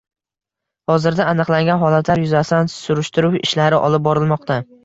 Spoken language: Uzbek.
Hozirda aniqlangan holatlar yuzasidan surishtiruv ishlari olib borilmoqda